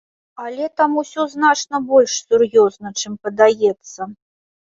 Але там усё значна больш сур'ёзна, чым падаецца.